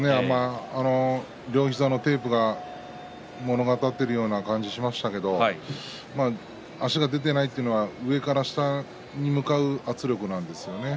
両膝のテープが物語っているような感じがしましたけれども足が出ていないというのは上から下に向かう圧力なんですね。